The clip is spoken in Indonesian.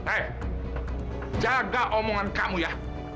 eh jaga omongan kamu ya